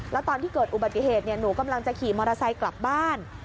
แล้วตอนที่เกิดอุบัติเหตุหนูกำลังจะขี่มอเตอร์ไซค์กลับบ้าน